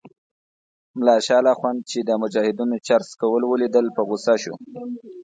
ملا شال اخند چې د مجاهدینو چرس څکول ولیدل په غوسه شو.